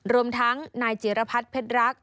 รวมทั้งนายจิรพัฒน์เพชรรัก